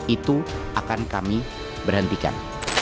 itu akan kami berhentikan